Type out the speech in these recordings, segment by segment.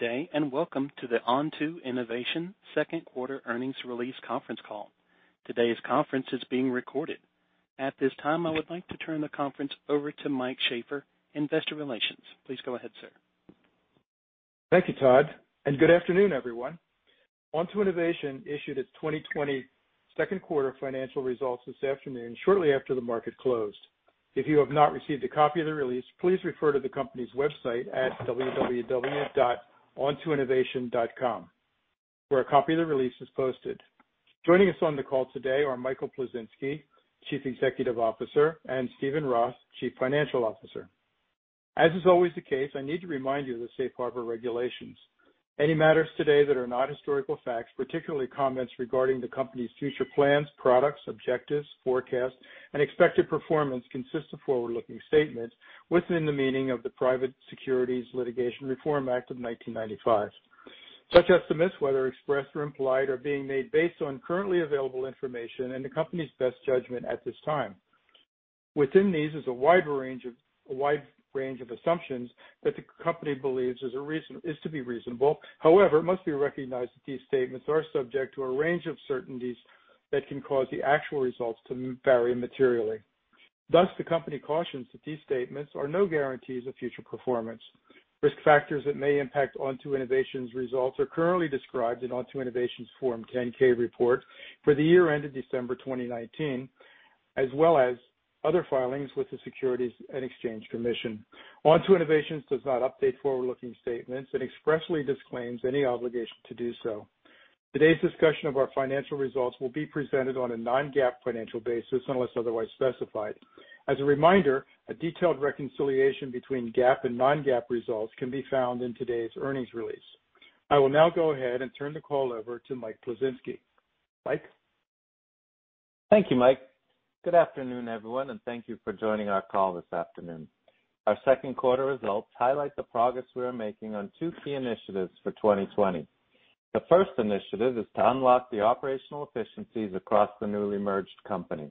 Good day and welcome to the Onto Innovation Second Quarter Earnings Release Conference Call. Today's conference is being recorded. At this time, I would like to turn the conference over to Mike Sheaffer, Investor Relations. Please go ahead, sir. Thank you, Todd. Good afternoon, everyone. Onto Innovation issued its 2020 second quarter financial results this afternoon, shortly after the market closed. If you have not received a copy of the release, please refer to the company's website at www.ontoinnovation.com, where a copy of the release is posted. Joining us on the call today are Michael Plisinski, Chief Executive Officer, and Steven Roth, Chief Financial Officer. As is always the case, I need to remind you of the Safe Harbor regulations. Any matters today that are not historical facts, particularly comments regarding the company's future plans, products, objectives, forecasts, and expected performance, consist of forward-looking statements within the meaning of the Private Securities Litigation Reform Act of 1995. Such estimates, whether expressed or implied, are being made based on currently available information and the company's best judgment at this time. Within these is a wide range of assumptions that the company believes is to be reasonable. However, it must be recognized that these statements are subject to a range of certainties that can cause the actual results to vary materially. Thus, the company cautions that these statements are no guarantees of future performance. Risk factors that may impact Onto Innovation's results are currently described in Onto Innovation's Form 10-K report for the year-end of December 2019, as well as other filings with the Securities and Exchange Commission. Onto Innovation does not update forward-looking statements and expressly disclaims any obligation to do so. Today's discussion of our financial results will be presented on a non-GAAP financial basis unless otherwise specified. As a reminder, a detailed reconciliation between GAAP and non-GAAP results can be found in today's earnings release. I will now go ahead and turn the call over to Mike Plisinski. Mike. Thank you, Mike. Good afternoon, everyone, and thank you for joining our call this afternoon. Our second quarter results highlight the progress we are making on two key initiatives for 2020. The first initiative is to unlock the operational efficiencies across the newly merged company.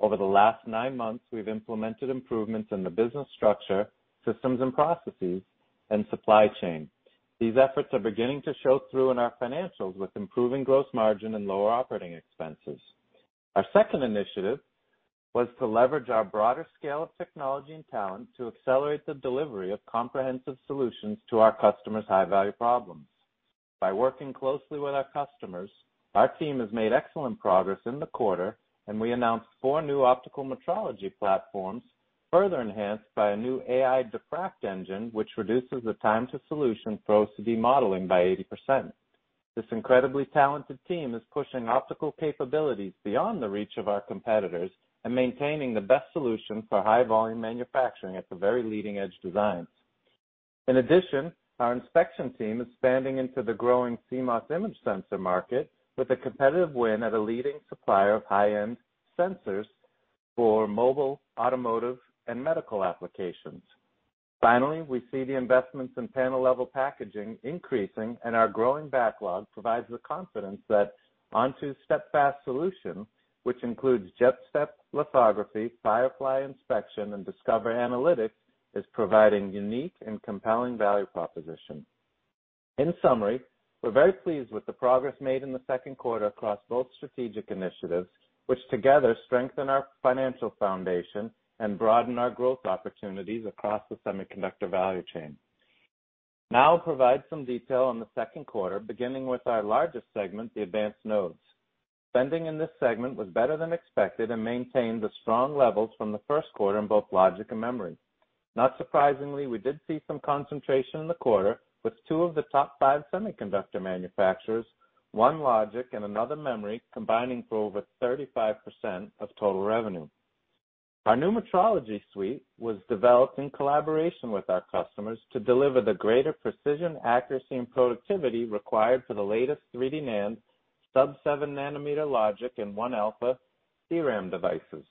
Over the last nine months, we've implemented improvements in the business structure, systems, and processes, and supply chain. These efforts are beginning to show through in our financials with improving gross margin and lower operating expenses. Our second initiative was to leverage our broader scale of technology and talent to accelerate the delivery of comprehensive solutions to our customers' high-value problems. By working closely with our customers, our team has made excellent progress in the quarter, and we announced four new optical metrology platforms, further enhanced by a new AI DePRACT engine, which reduces the time-to-solution for OCD modeling by 80%. This incredibly talented team is pushing optical capabilities beyond the reach of our competitors and maintaining the best solution for high-volume manufacturing at the very leading-edge designs. In addition, our inspection team is expanding into the growing CMOS image sensor market with a competitive win at a leading supplier of high-end sensors for mobile, automotive, and medical applications. Finally, we see the investments in panel-level packaging increasing, and our growing backlog provides the confidence that Onto's steadfast solution, which includes JetStep lithography, Firefly inspection, and Discover Analytics, is providing unique and compelling value proposition. In summary, we're very pleased with the progress made in the second quarter across both strategic initiatives, which together strengthen our financial foundation and broaden our growth opportunities across the semiconductor value chain. Now I'll provide some detail on the second quarter, beginning with our largest segment, the advanced nodes. Spending in this segment was better than expected and maintained the strong levels from the first quarter in both logic and memory. Not surprisingly, we did see some concentration in the quarter with two of the top five semiconductor manufacturers, one logic and another memory, combining for over 35% of total revenue. Our new metrology suite was developed in collaboration with our customers to deliver the greater precision, accuracy, and productivity required for the latest 3D NAND sub-seven nanometer logic and one alpha CRAM devices.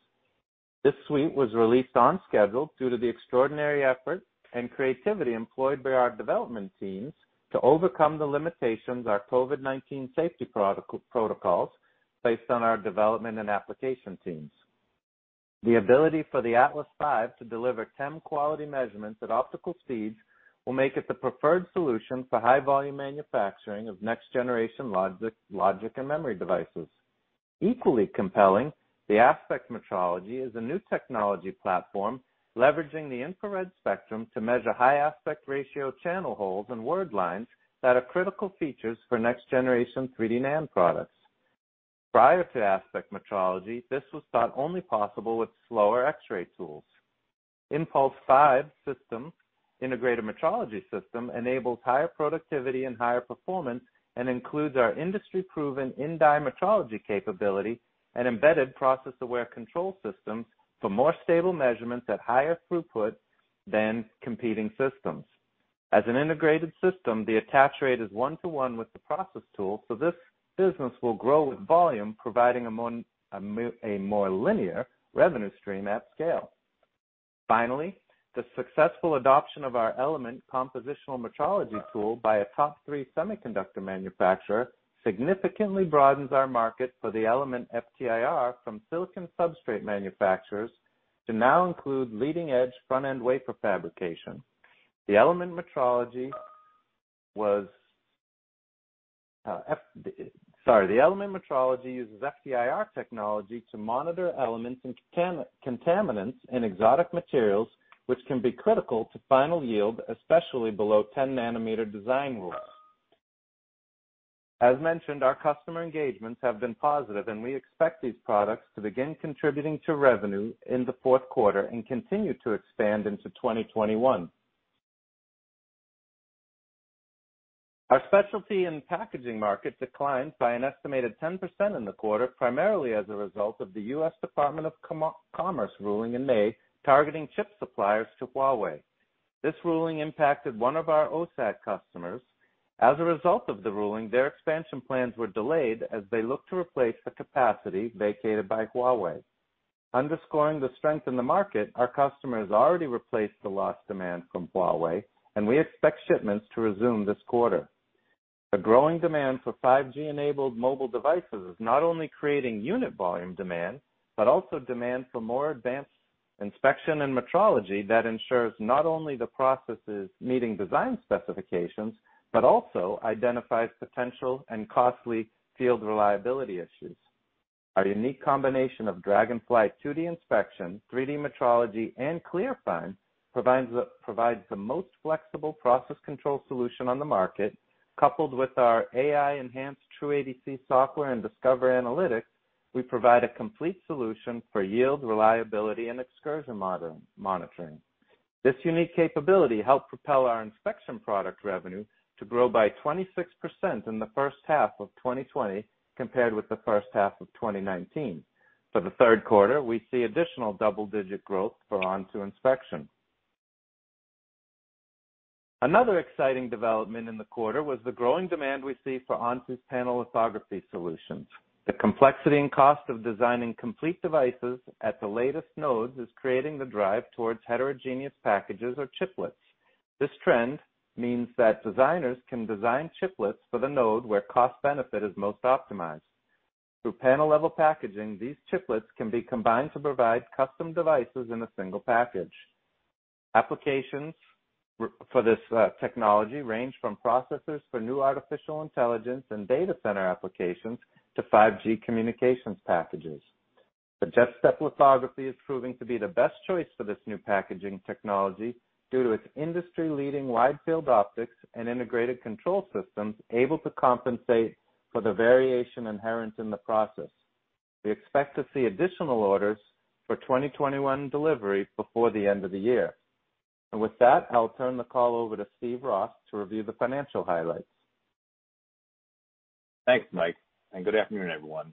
This suite was released on schedule due to the extraordinary effort and creativity employed by our development teams to overcome the limitations of our COVID-19 safety protocols based on our development and application teams. The ability for the Atlas V to deliver TEM quality measurements at optical speeds will make it the preferred solution for high-volume manufacturing of next-generation logic and memory devices. Equally compelling, the Aspect metrology is a new technology platform leveraging the infrared spectrum to measure high aspect ratio channel holes and word lines that are critical features for next-generation 3D NAND products. Prior to Aspect metrology, this was thought only possible with slower X-ray tools. Impulse V integrated metrology system enables higher productivity and higher performance and includes our industry-proven in-die metrology capability and embedded process-aware control systems for more stable measurements at higher throughput than competing systems. As an integrated system, the attach rate is one-to-one with the process tool, so this business will grow with volume, providing a more linear revenue stream at scale. Finally, the successful adoption of our Element compositional metrology tool by a top three semiconductor manufacturer significantly broadens our market for the Element FTIR from silicon substrate manufacturers to now include leading-edge front-end wafer fabrication. The Element metrology uses FTIR technology to monitor elements and contaminants in exotic materials, which can be critical to final yield, especially below 10 nanometer design rules. As mentioned, our customer engagements have been positive, and we expect these products to begin contributing to revenue in the fourth quarter and continue to expand into 2021. Our specialty in packaging market declined by an estimated 10% in the quarter, primarily as a result of the U.S. Department of Commerce ruling in May targeting chip suppliers to Huawei. This ruling impacted one of our OSAC customers. As a result of the ruling, their expansion plans were delayed as they looked to replace the capacity vacated by Huawei. Underscoring the strength in the market, our customers already replaced the lost demand from Huawei, and we expect shipments to resume this quarter. The growing demand for 5G-enabled mobile devices is not only creating unit volume demand but also demand for more advanced inspection and metrology that ensures not only the process is meeting design specifications but also identifies potential and costly field reliability issues. Our unique combination of Dragonfly 2D inspection, 3D metrology, and ClearFine provides the most flexible process control solution on the market. Coupled with our AI-enhanced TrueADC software and Discover Analytics, we provide a complete solution for yield, reliability, and excursion monitoring. This unique capability helped propel our inspection product revenue to grow by 26% in the first half of 2020 compared with the first half of 2019. For the third quarter, we see additional double-digit growth for Onto inspection. Another exciting development in the quarter was the growing demand we see for Onto's panel lithography solutions. The complexity and cost of designing complete devices at the latest nodes is creating the drive towards heterogeneous packages or chiplets. This trend means that designers can design chiplets for the node where cost-benefit is most optimized. Through panel-level packaging, these chiplets can be combined to provide custom devices in a single package. Applications for this technology range from processors for new artificial intelligence and data center applications to 5G communications packages. The JetStep lithography is proving to be the best choice for this new packaging technology due to its industry-leading wide-field optics and integrated control systems able to compensate for the variation inherent in the process. We expect to see additional orders for 2021 delivery before the end of the year. I'll turn the call over to Steve Roth to review the financial highlights. Thanks, Mike, and good afternoon, everyone.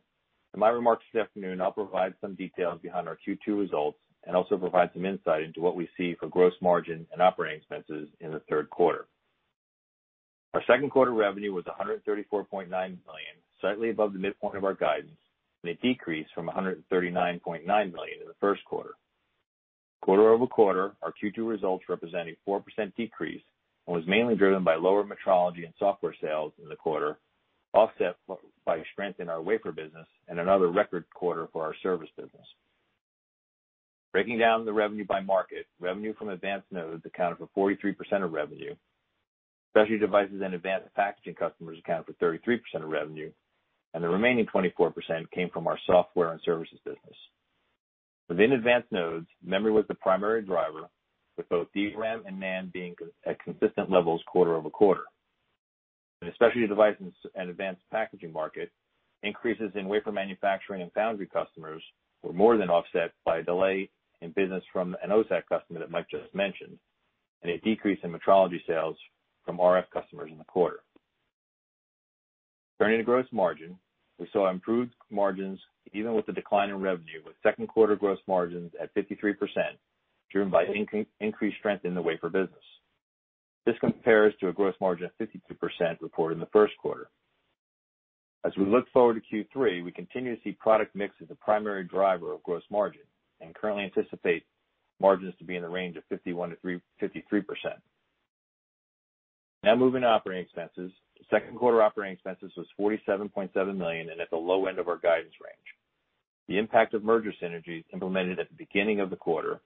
In my remarks this afternoon, I'll provide some details behind our Q2 results and also provide some insight into what we see for gross margin and operating expenses in the third quarter. Our second quarter revenue was $134.9 million, slightly above the midpoint of our guidance, and a decrease from $139.9 million in the first quarter. Quarter -over-quarter, our Q2 results represent a 4% decrease and was mainly driven by lower metrology and software sales in the quarter, offset by strength in our wafer business and another record quarter for our service business. Breaking down the revenue by market, revenue from advanced nodes accounted for 43% of revenue. Specialty devices and advanced packaging customers accounted for 33% of revenue, and the remaining 24% came from our software and services business. Within advanced nodes, memory was the primary driver, with both DRAM and NAND being at consistent levels quarter-over-quarter. In the specialty device and advanced packaging market, increases in wafer manufacturing and foundry customers were more than offset by a delay in business from an OSAC customer that Mike just mentioned, and a decrease in metrology sales from RF customers in the quarter. Turning to gross margin, we saw improved margins even with the decline in revenue, with second quarter gross margins at 53%, driven by increased strength in the wafer business. This compares to a gross margin of 50% reported in the first quarter. As we look forward to Q3, we continue to see product mix as the primary driver of gross margin and currently anticipate margins to be in the range of 51%-53%. Now moving to operating expenses, the second quarter operating expenses was $47.7 million and at the low end of our guidance range. The impact of merger synergies implemented at the beginning of the quarter,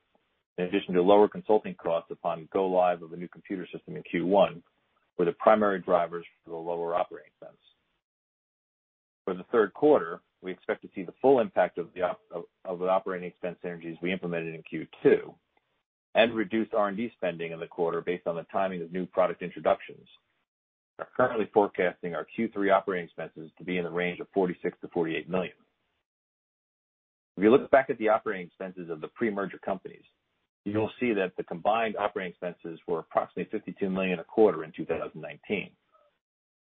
in addition to lower consulting costs upon go-live of a new computer system in Q1, were the primary drivers for the lower operating expense. For the third quarter, we expect to see the full impact of the operating expense synergies we implemented in Q2 and reduced R&D spending in the quarter based on the timing of new product introductions. We're currently forecasting our Q3 operating expenses to be in the range of $46-$48 million. If you look back at the operating expenses of the pre-merger companies, you'll see that the combined operating expenses were approximately $52 million a quarter in 2019.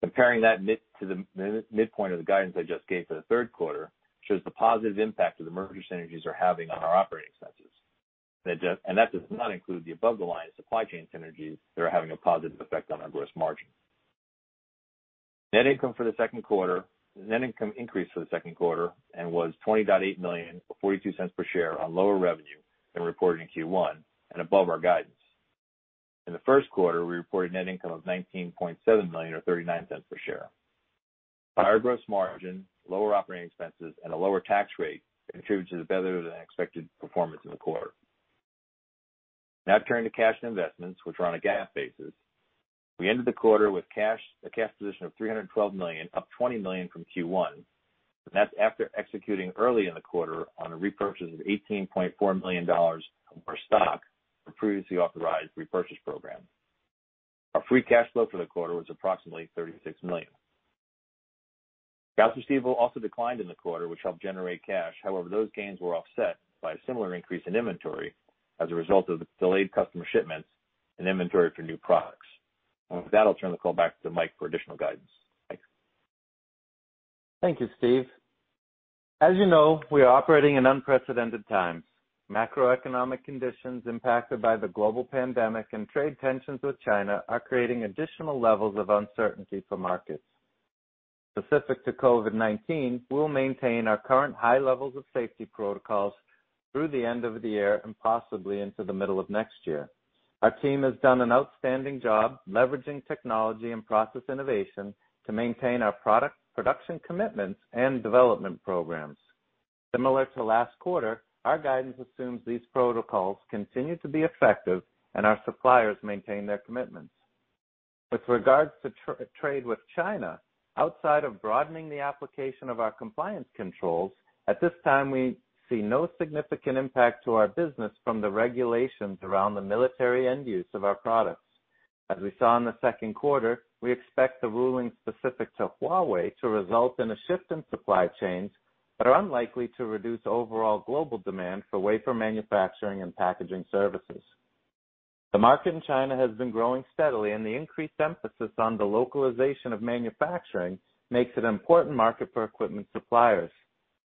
Comparing that to the midpoint of the guidance I just gave for the third quarter shows the positive impact that the merger synergies are having on our operating expenses. That does not include the above-the-line supply chain synergies that are having a positive effect on our gross margin. Net income for the second quarter, net income increased for the second quarter and was $20.8 million, or $0.42 per share, on lower revenue than reported in Q1 and above our guidance. In the first quarter, we reported net income of $19.7 million, or $0.39 per share. Higher gross margin, lower operating expenses, and a lower tax rate contribute to the better than expected performance in the quarter. Now turning to cash and investments, which are on a GAAP basis. We ended the quarter with a cash position of $312 million, up $20 million from Q1. That's after executing early in the quarter on a repurchase of $18.4 million of our stock from a previously authorized repurchase program. Our free cash flow for the quarter was approximately $36 million. Gas receivable also declined in the quarter, which helped generate cash. However, those gains were offset by a similar increase in inventory as a result of delayed customer shipments and inventory for new products. With that, I'll turn the call back to Mike for additional guidance. Thank you, Steve. As you know, we are operating in unprecedented times. Macroeconomic conditions impacted by the global pandemic and trade tensions with China are creating additional levels of uncertainty for markets. Specific to COVID-19, we'll maintain our current high levels of safety protocols through the end of the year and possibly into the middle of next year. Our team has done an outstanding job leveraging technology and process innovation to maintain our product production commitments and development programs. Similar to last quarter, our guidance assumes these protocols continue to be effective and our suppliers maintain their commitments. With regards to trade with China, outside of broadening the application of our compliance controls, at this time, we see no significant impact to our business from the regulations around the military end use of our products. As we saw in the second quarter, we expect the ruling specific to Huawei to result in a shift in supply chains that are unlikely to reduce overall global demand for wafer manufacturing and packaging services. The market in China has been growing steadily, and the increased emphasis on the localization of manufacturing makes it an important market for equipment suppliers.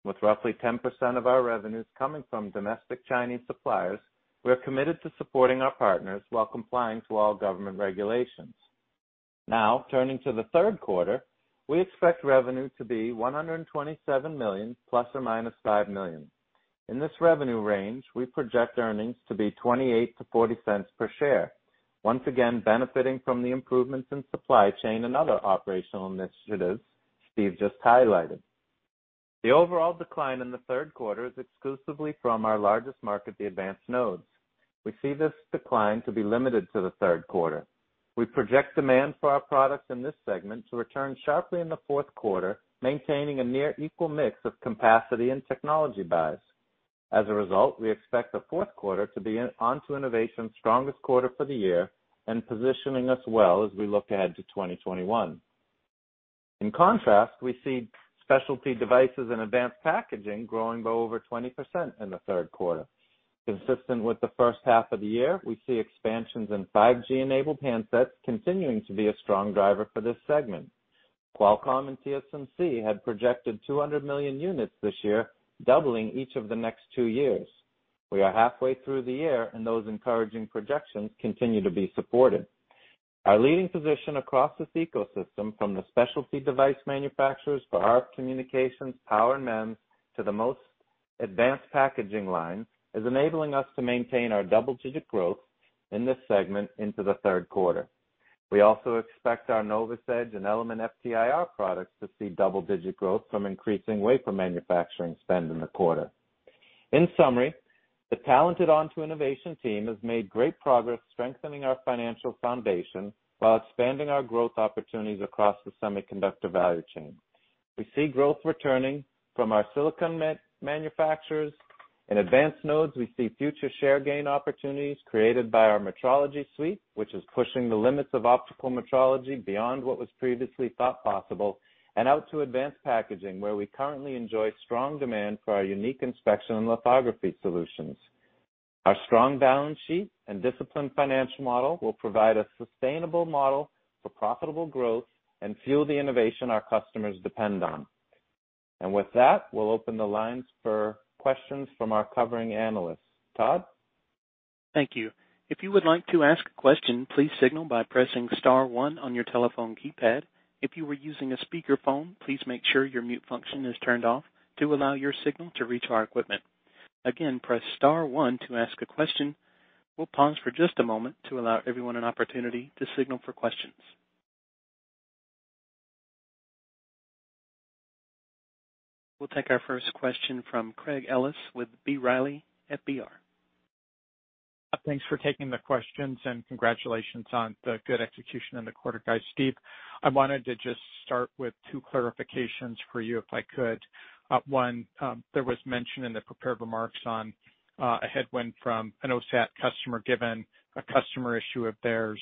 With roughly 10% of our revenues coming from domestic Chinese suppliers, we're committed to supporting our partners while complying with all government regulations. Now, turning to the third quarter, we expect revenue to be $127 million, +or- $5 million. In this revenue range, we project earnings to be $0.28-$0.40 per share, once again benefiting from the improvements in supply chain and other operational initiatives Steve just highlighted. The overall decline in the third quarter is exclusively from our largest market, the advanced nodes. We see this decline to be limited to the third quarter. We project demand for our products in this segment to return sharply in the fourth quarter, maintaining a near equal mix of capacity and technology buys. As a result, we expect the fourth quarter to be Onto Innovation's strongest quarter for the year and positioning us well as we look ahead to 2021. In contrast, we see specialty devices and advanced packaging growing by over 20% in the third quarter. Consistent with the first half of the year, we see expansions in 5G-enabled handsets continuing to be a strong driver for this segment. Qualcomm and TSMC had projected 200 million units this year, doubling each of the next two years. We are halfway through the year, and those encouraging projections continue to be supported. Our leading position across this ecosystem from the specialty device manufacturers for our communications, power, and MEMS to the most advanced packaging lines is enabling us to maintain our double-digit growth in this segment into the third quarter. We also expect our NovaSedge and Element FTIR products to see double-digit growth from increasing wafer manufacturing spend in the quarter. In summary, the talented Onto Innovation team has made great progress strengthening our financial foundation while expanding our growth opportunities across the semiconductor value chain. We see growth returning from our silicon manufacturers. In advanced nodes, we see future share gain opportunities created by our metrology suite, which is pushing the limits of optical metrology beyond what was previously thought possible, and out to advanced packaging, where we currently enjoy strong demand for our unique inspection and lithography solutions. Our strong balance sheet and disciplined financial model will provide a sustainable model for profitable growth and fuel the innovation our customers depend on. With that, we'll open the lines for questions from our covering analysts. Todd? Thank you. If you would like to ask a question, please signal by pressing star one on your telephone keypad. If you are using a speakerphone, please make sure your mute function is turned off to allow your signal to reach our equipment. Again, press star one to ask a question. We'll pause for just a moment to allow everyone an opportunity to signal for questions. We'll take our first question from Craig Ellis with B. Riley FBR. Thanks for taking the questions, and congratulations on the good execution in the quarter, guys. Steve, I wanted to just start with two clarifications for you, if I could. One, there was mention in the prepared remarks on a headwind from an OSAT customer given a customer issue of theirs.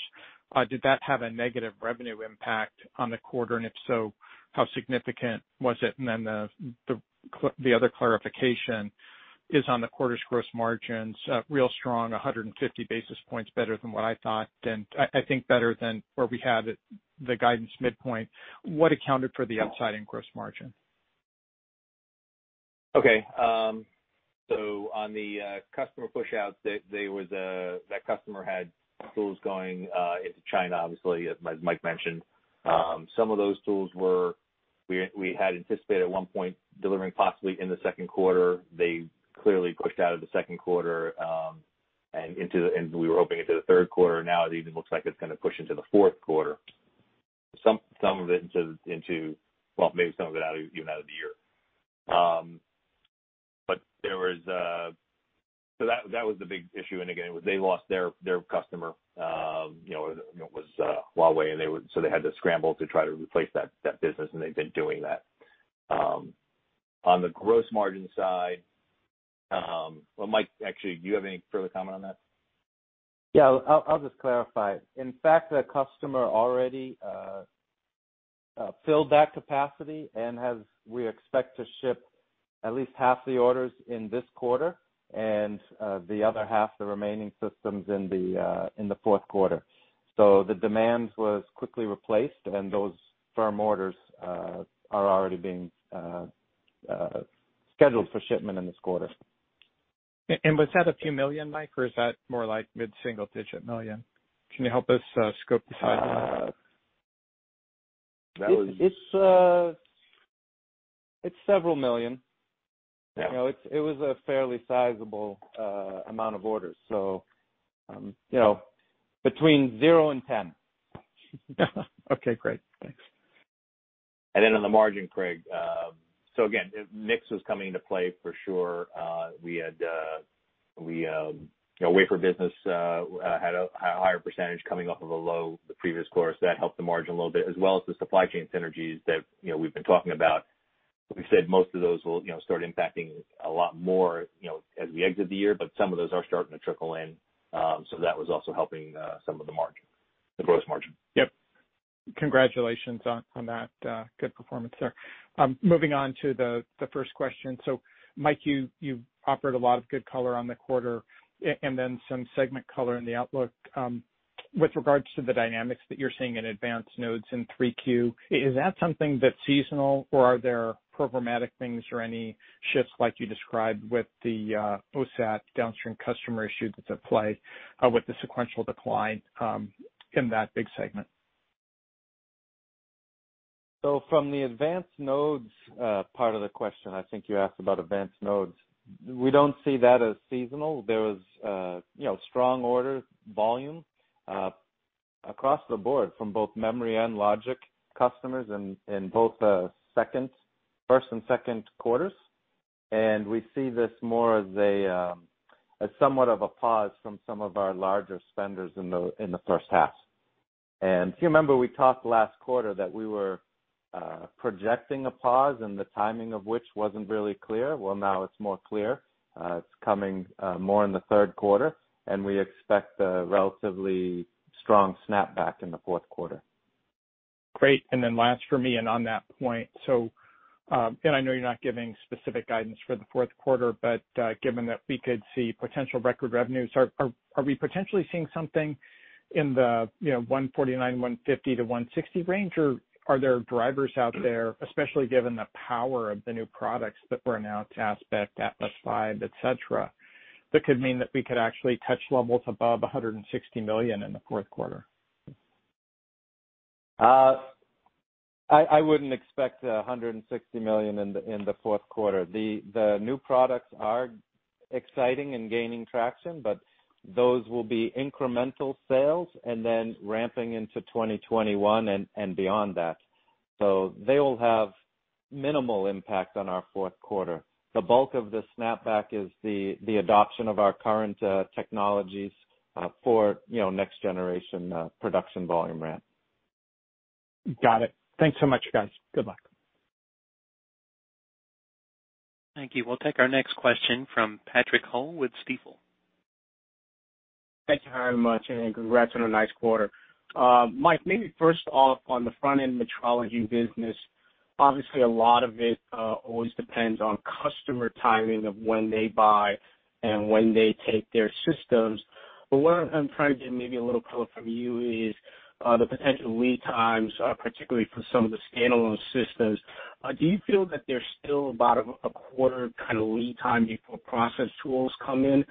Did that have a negative revenue impact on the quarter? If so, how significant was it? The other clarification is on the quarter's gross margins, real strong, 150 basis points better than what I thought, and I think better than where we had the guidance midpoint. What accounted for the upside in gross margin? Okay. On the customer push out, that customer had tools going into China, obviously, as Mike mentioned. Some of those tools we had anticipated at one point delivering possibly in the second quarter. They clearly pushed out of the second quarter, and we were hoping into the third quarter. Now it even looks like it is going to push into the fourth quarter. Some of it into—maybe some of it even out of the year. That was the big issue. Again, they lost their customer, which was Huawei, and they had to scramble to try to replace that business, and they have been doing that. On the gross margin side, Mike, actually, do you have any further comment on that? Yeah, I'll just clarify. In fact, the customer already filled that capacity, and we expect to ship at least half the orders in this quarter and the other half, the remaining systems, in the fourth quarter. The demand was quickly replaced, and those firm orders are already being scheduled for shipment in this quarters. Was that a few million, Mike, or is that more like mid-single-digit million? Can you help us scope the size of that? It's several million. It was a fairly sizable amount of orders, so between 0 and ten. Okay, great. Thanks. On the margin, Craig, mix was coming into play for sure. We had wafer business had a higher percentage coming off of a low the previous quarter. That helped the margin a little bit, as well as the supply chain synergies that we've been talking about. We've said most of those will start impacting a lot more as we exit the year, but some of those are starting to trickle in. That was also helping some of the margin, the gross margin. Yep. Congratulations on that good performance there. Moving on to the first question. Mike, you offered a lot of good color on the quarter and then some segment color in the outlook. With regards to the dynamics that you're seeing in advanced nodes in 3Q, is that something that's seasonal, or are there programmatic things or any shifts, like you described, with the OSAC downstream customer issue that's at play with the sequential decline in that big segment? From the advanced nodes part of the question, I think you asked about advanced nodes. We don't see that as seasonal. There was strong order volume across the board from both memory and logic customers in both the first and second quarters. We see this more as somewhat of a pause from some of our larger spenders in the first half. If you remember, we talked last quarter that we were projecting a pause, and the timing of which wasn't really clear. Now it's more clear. It's coming more in the third quarter, and we expect a relatively strong snapback in the fourth quarter. Great. And then last for me, and on that point, I know you're not giving specific guidance for the fourth quarter, but given that we could see potential record revenues, are we potentially seeing something in the $149 million-$150 million-$160 million range, or are there drivers out there, especially given the power of the new products that we're now. Aspect, Atlas V, etc., that could mean that we could actually touch levels above $160 million in the fourth quarter? I wouldn't expect $160 million in the fourth quarter. The new products are exciting and gaining traction, but those will be incremental sales and then ramping into 2021 and beyond that. They will have minimal impact on our fourth quarter. The bulk of the snapback is the adoption of our current technologies for next-generation production volume ramp. Got it. Thanks so much, guys. Good luck. Thank you. We'll take our next question from Patrick Hull with Stifel. Thank you very much, and congrats on a nice quarter. Mike, maybe first off, on the front-end metrology business, obviously, a lot of it always depends on customer timing of when they buy and when they take their systems. What I'm trying to get maybe a little color from you is the potential lead times, particularly for some of the standalone systems. Do you feel that there's still about a quarter kind of lead time before process tools come in?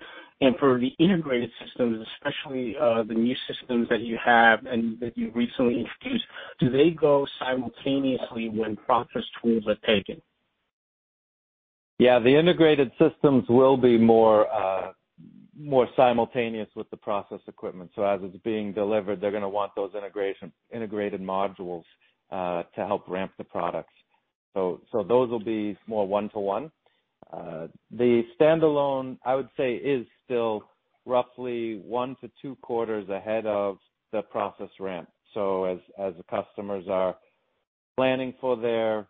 For the integrated systems, especially the new systems that you have and that you recently introduced, do they go simultaneously when process tools are taken? Yeah, the integrated systems will be more simultaneous with the process equipment. As it's being delivered, they're going to want those integrated modules to help ramp the products. Those will be more one-to-one. The standalone, I would say, is still roughly one to two quarters ahead of the process ramp. As the customers are planning for their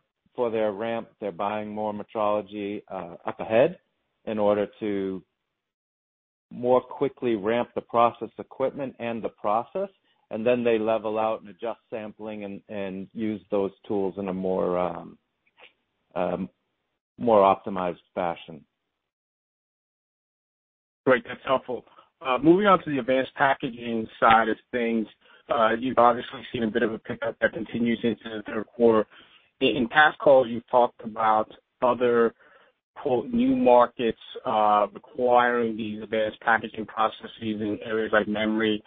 ramp, they're buying more metrology up ahead in order to more quickly ramp the process equipment and the process, and then they level out and adjust sampling and use those tools in a more optimized fashion. Great. That's helpful. Moving on to the advanced packaging side of things, you've obviously seen a bit of a pickup that continues into the third quarter. In past calls, you've talked about other "new markets" requiring these advanced packaging processes in areas like memory.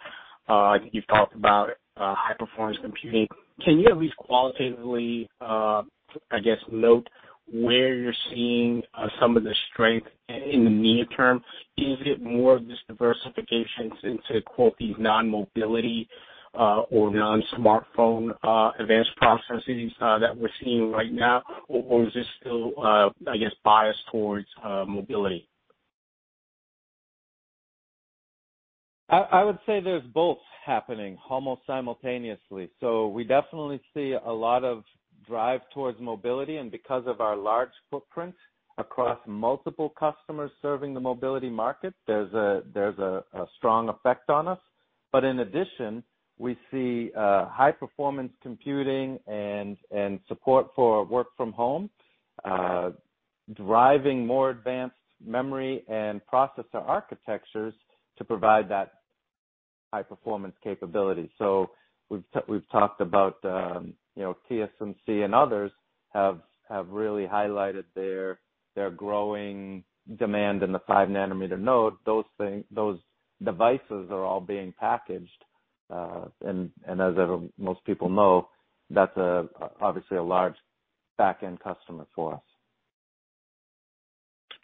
I think you've talked about high-performance computing. Can you at least qualitatively, I guess, note where you're seeing some of the strength in the near term? Is it more of this diversification into these non-mobility or non-smartphone advanced processes that we're seeing right now, or is this still, I guess, biased towards mobility? I would say there's both happening almost simultaneously. We definitely see a lot of drive towards mobility. Because of our large footprint across multiple customers serving the mobility market, there's a strong effect on us. In addition, we see high-performance computing and support for work from home driving more advanced memory and processor architectures to provide that high-performance capability. We've talked about TSMC and others have really highlighted their growing demand in the 5-nanometer node. Those devices are all being packaged. As most people know, that's obviously a large back-end customer for us.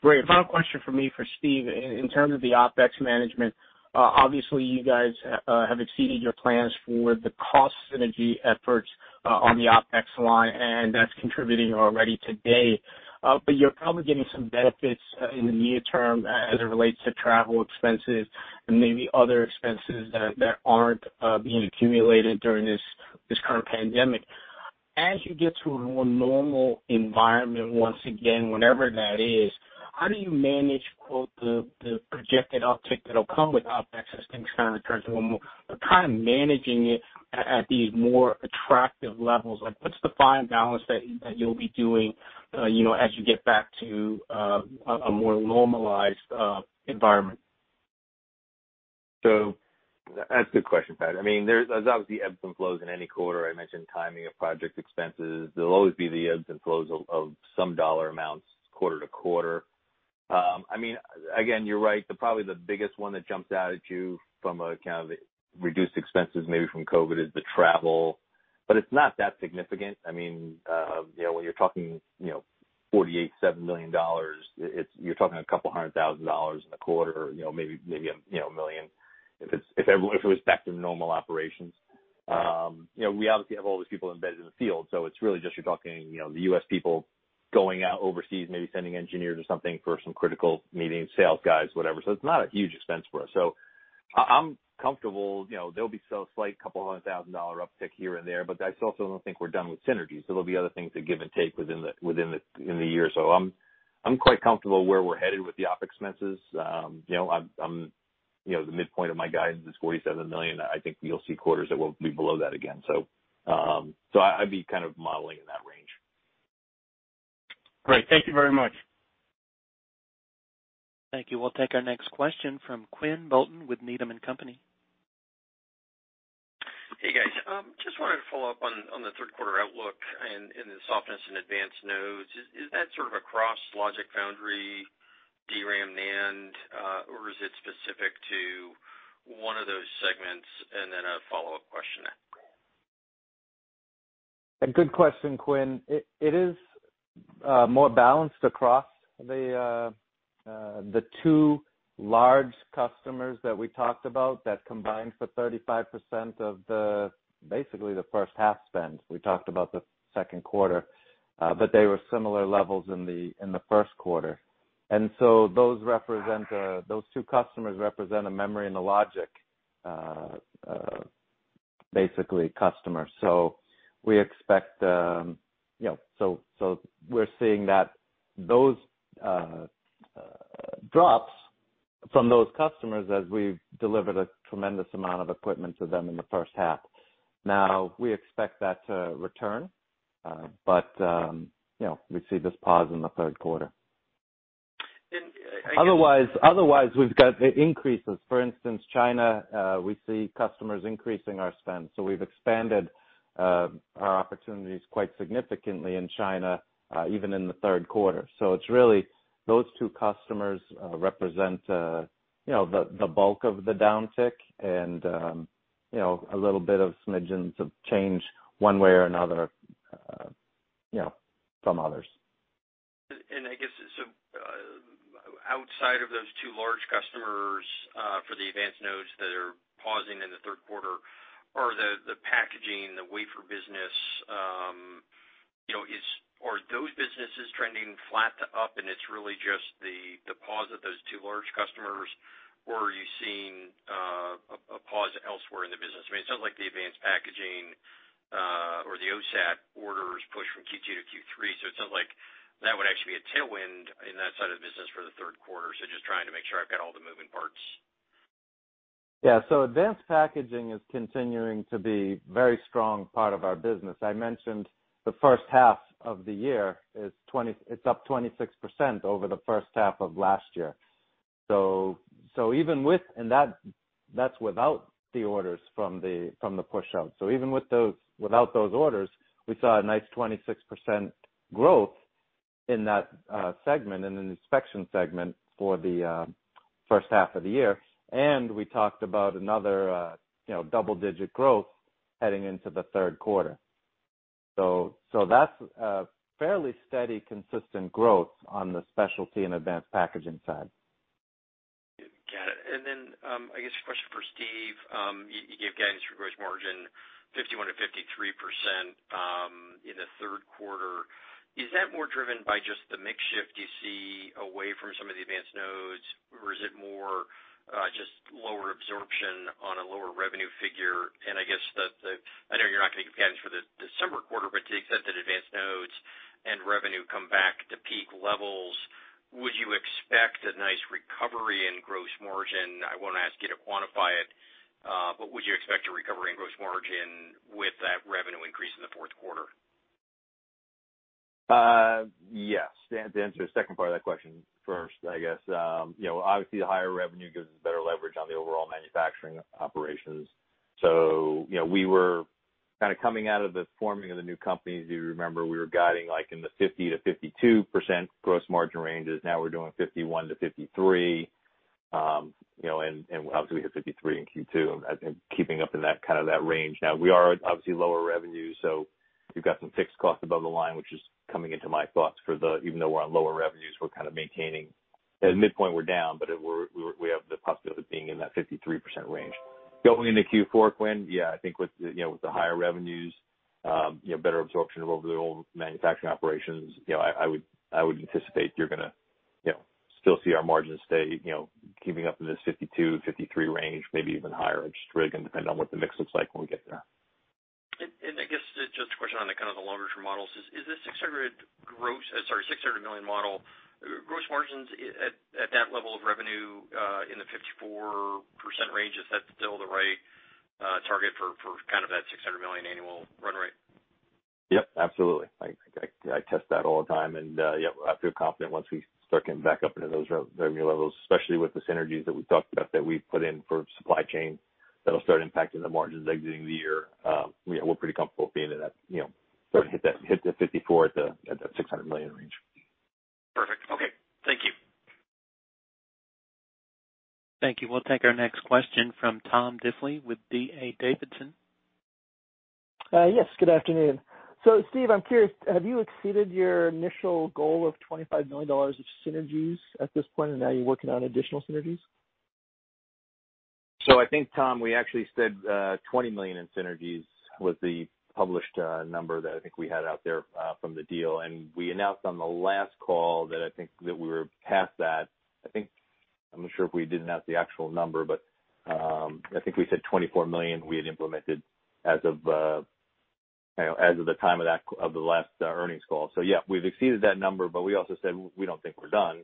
Great. Final question for me, for Steve. In terms of the OpEx management, obviously, you guys have exceeded your plans for the cost synergy efforts on the OpEx line, and that's contributing already today. You're probably getting some benefits in the near term as it relates to travel expenses and maybe other expenses that aren't being accumulated during this current pandemic. As you get to a more normal environment once again, whenever that is, how do you manage the projected uptick that will come with OpEx as things kind of return to normal? Kind of managing it at these more attractive levels, what's the fine balance that you'll be doing as you get back to a more normalized environment? That's a good question, Pat. I mean, there's obviously ebbs and flows in any quarter. I mentioned timing of project expenses. There'll always be the ebbs and flows of some dollar amounts quarter-to-quarter. I mean, again, you're right. Probably the biggest one that jumps out at you from kind of reduced expenses, maybe from COVID, is the travel. It's not that significant. I mean, when you're talking $48-$7 million, you're talking a couple hundred thousand dollars in the quarter, maybe $1 million if it was back to normal operations. We obviously have all these people embedded in the field. It's really just you're talking the U.S. people going out overseas, maybe sending engineers or something for some critical meetings, sales guys, whatever. It's not a huge expense for us. I'm comfortable. There'll be a slight couple hundred thousand dollar uptick here and there, but I also don't think we're done with synergy. There'll be other things to give and take within the year. I'm quite comfortable where we're headed with the OpEx expenses. The midpoint of my guidance is $47 million. I think you'll see quarters that will be below that again. I'd be kind of modeling in that range. Great. Thank you very much. Thank you. We'll take our next question from Quinn Bolton with Needham & Company. Hey, guys. Just wanted to follow up on the third quarter outlook and the softness in advanced nodes. Is that sort of across Logic Foundry, DRAM, NAND, or is it specific to one of those segments? And then a follow-up question. A good question, Quinn. It is more balanced across the two large customers that we talked about that combined for 35% of basically the first half spend. We talked about the second quarter, but they were similar levels in the first quarter. Those two customers represent a memory and a logic, basically, customer. We expect, so we're seeing those drops from those customers as we've delivered a tremendous amount of equipment to them in the first half. Now, we expect that to return, but we see this pause in the third quarter. Otherwise, we've got increases. For instance, China, we see customers increasing our spend. We've expanded our opportunities quite significantly in China, even in the third quarter. It's really those two customers represent the bulk of the downtick and a little bit of smidgens of change one way or another from others. I guess, outside of those two large customers for the advanced nodes that are pausing in the third quarter, are the packaging, the wafer business, are those businesses trending flat or up, and it's really just the pause at those two large customers, or are you seeing a pause elsewhere in the business? I mean, it sounds like the advanced packaging or the OSAC orders pushed from Q2-Q3. It sounds like that would actually be a tailwind in that side of the business for the third quarter. Just trying to make sure I've got all the moving parts. Yeah. Advanced packaging is continuing to be a very strong part of our business. I mentioned the first half of the year is up 26% over the first half of last year. Even with, and that's without the orders from the push-out. Even without those orders, we saw a nice 26% growth in that segment and in the inspection segment for the first half of the year. We talked about another double-digit growth heading into the third quarter. That is fairly steady, consistent growth on the specialty and advanced packaging side. Got it. I guess a question for Steve. You gave guidance regarding margin, 51%-53% in the third quarter. Is that more driven by just the mix shift you see away from some of the advanced nodes, or is it more just lower absorption on a lower revenue figure? I guess that I know you're not going to give guidance for the December quarter, but to the extent that advanced nodes and revenue come back to peak levels, would you expect a nice recovery in gross margin? I won't ask you to quantify it, but would you expect a recovery in gross margin with that revenue increase in the fourth quarter? Yes. To answer the second part of that question first, I guess, obviously, the higher revenue gives us better leverage on the overall manufacturing operations. We were kind of coming out of the forming of the new companies. You remember we were guiding in the 50%-52% gross margin ranges. Now we're doing 51%-53%. Obviously, we hit 53% in Q2 and keeping up in kind of that range. Now, we are obviously lower revenue, so we've got some fixed cost above the line, which is coming into my thoughts for the even though we're on lower revenues, we're kind of maintaining at midpoint, we're down, but we have the possibility of being in that 53% range. Going into Q4, Quinn, yeah, I think with the higher revenues, better absorption of overall manufacturing operations, I would anticipate you're going to still see our margins stay keeping up in this 52%-53% range, maybe even higher, just really going to depend on what the mix looks like when we get there. I guess just a question on kind of the longer-term models. Is the $600 million model gross margins at that level of revenue in the 54% range, is that still the right target for kind of that $600 million annual run rate? Yeah. Absolutely. I test that all the time. Yeah, I feel confident once we start getting back up into those revenue levels, especially with the synergies that we talked about that we've put in for supply chain that'll start impacting the margins exiting the year. Yeah, we're pretty comfortable being in that, starting to hit the 54% at that $600 million range. Perfect. Okay. Thank you. Thank you. We'll take our next question from Tom Difley with DA Davidson. Yes. Good afternoon. Steve, I'm curious, have you exceeded your initial goal of $25 million of synergies at this point, and now you're working on additional synergies? I think, Tom, we actually said $20 million in synergies was the published number that I think we had out there from the deal. We announced on the last call that I think that we were past that. I'm not sure if we did announce the actual number, but I think we said $24 million we had implemented as of the time of the last earnings call. Yeah, we've exceeded that number, but we also said we don't think we're done.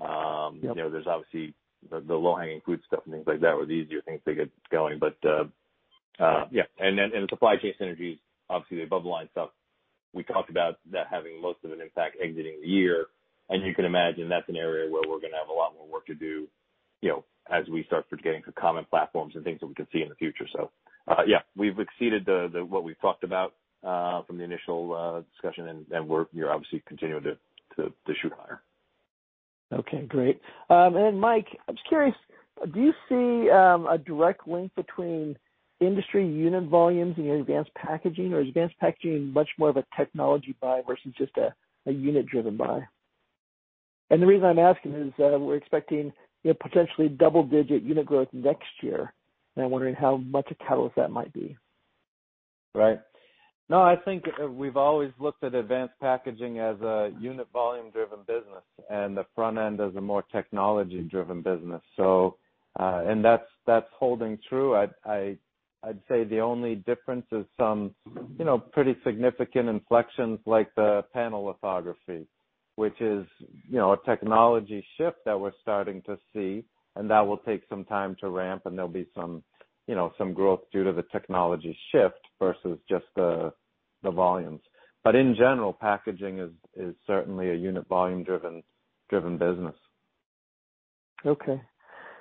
There's obviously the low-hanging fruit stuff and things like that were the easier things to get going. Yeah. The supply chain synergies, obviously, the above-line stuff, we talked about that having most of an impact exiting the year. You can imagine that's an area where we're going to have a lot more work to do as we start getting to common platforms and things that we can see in the future. Yeah, we've exceeded what we've talked about from the initial discussion, and we're obviously continuing to shoot higher. Okay. Great. Mike, I'm just curious, do you see a direct link between industry unit volumes and your advanced packaging, or is advanced packaging much more of a technology buy versus just a unit-driven buy? The reason I'm asking is we're expecting potentially double-digit unit growth next year. I'm wondering how much of a catalyst that might be. Right. No, I think we've always looked at advanced packaging as a unit volume-driven business and the front end as a more technology-driven business. That is holding true. I'd say the only difference is some pretty significant inflections like the panel lithography, which is a technology shift that we're starting to see. That will take some time to ramp, and there will be some growth due to the technology shift versus just the volumes. In general, packaging is certainly a unit volume-driven business. Okay.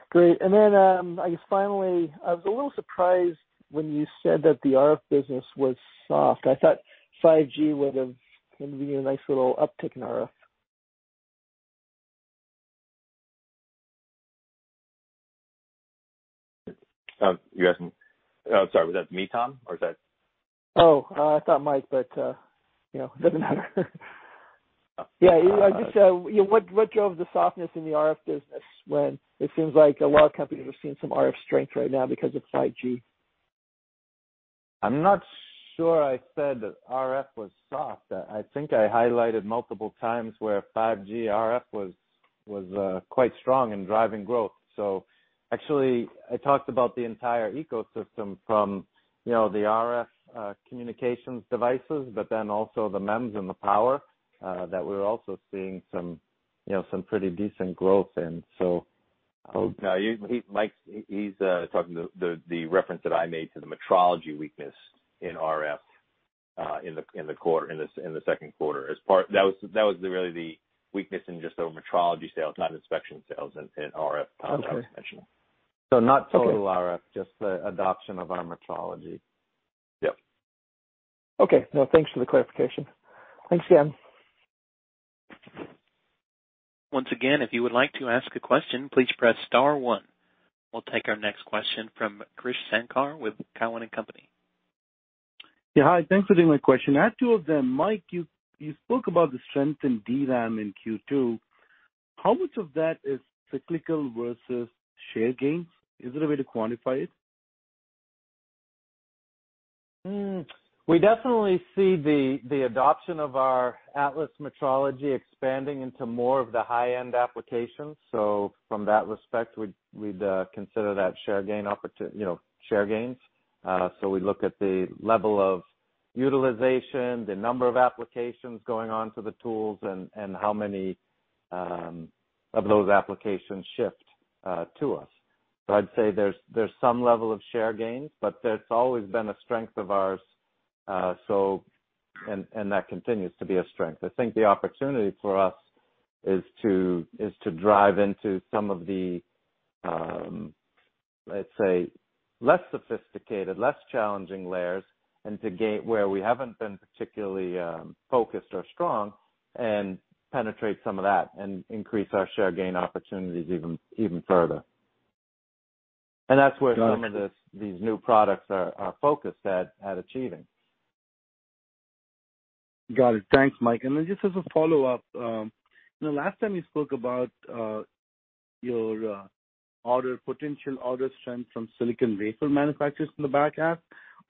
Great. I guess finally, I was a little surprised when you said that the RF business was soft. I thought 5G would have given you a nice little uptick in RF. You asked me? Oh, sorry. Was that me, Tom, or is that? Oh, I thought Mike, but it doesn't matter. Yeah. I just said, what drove the softness in the RF business when it seems like a lot of companies are seeing some RF strength right now because of 5G? I'm not sure I said that RF was soft. I think I highlighted multiple times where 5G RF was quite strong in driving growth. I talked about the entire ecosystem from the RF communications devices, but then also the MEMS and the power that we were also seeing some pretty decent growth in. Mike, he's talking the reference that I made to the metrology weakness in RF in the second quarter. That was really the weakness in just the metrology sales, not inspection sales in RF, Tom, I was mentioning. Not total RF, just the adoption of our metrology. Yeah. Okay. No, thanks for the clarification. Thanks again. Once again, if you would like to ask a question, please press star one. We'll take our next question from [Chris Sanykar] with Kyle Wynne & Company. Yeah. Hi. Thanks for taking my question. I have two of them. Mike, you spoke about the strength in DRAM in Q2. How much of that is cyclical versus share gains? Is there a way to quantify it? We definitely see the adoption of our Atlas metrology expanding into more of the high-end applications. From that respect, we'd consider that share gains. We look at the level of utilization, the number of applications going on to the tools, and how many of those applications shift to us. I'd say there's some level of share gains, but there's always been a strength of ours, and that continues to be a strength. I think the opportunity for us is to drive into some of the, let's say, less sophisticated, less challenging layers and to gain where we haven't been particularly focused or strong and penetrate some of that and increase our share gain opportunities even further. That's where some of these new products are focused at achieving. Got it. Thanks, Mike. Just as a follow-up, last time you spoke about your potential order strength from silicon wafer manufacturers in the back half,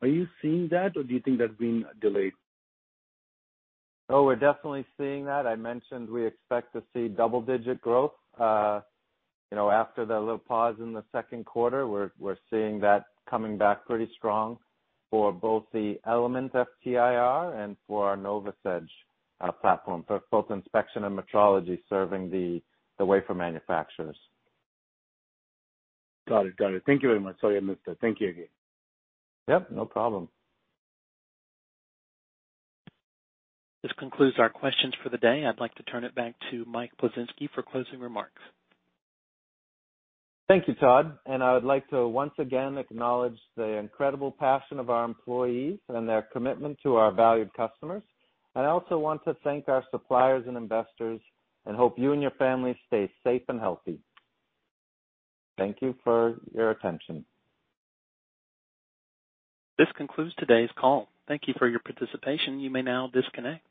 are you seeing that, or do you think that's being delayed? Oh, we're definitely seeing that. I mentioned we expect to see double-digit growth after the little pause in the second quarter. We're seeing that coming back pretty strong for both the Element FTIR and for our NovaSedge platform, both inspection and metrology serving the wafer manufacturers. Got it. Thank you very much. Sorry, I missed that. Thank you again. Yeah. No problem. This concludes our questions for the day. I'd like to turn it back to Mike Plisinski for closing remarks. Thank you, Todd. I would like to once again acknowledge the incredible passion of our employees and their commitment to our valued customers. I also want to thank our suppliers and investors and hope you and your family stay safe and healthy. Thank you for your attention. This concludes today's call. Thank you for your participation. You may now disconnect.